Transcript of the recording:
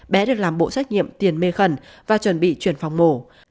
bé được làm bộ trách nhiệm tiền mê khẩn và chuẩn bị chuyển phòng mổ